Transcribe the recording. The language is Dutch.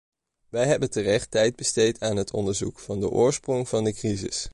Wij hebben terecht tijd besteed aan het onderzoek van de oorsprong van de crisis.